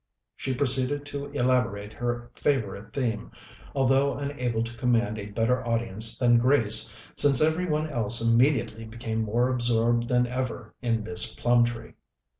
She proceeded to elaborate her favourite theme, although unable to command a better audience than Grace, since every one else immediately became more absorbed than ever in Miss Plumtree.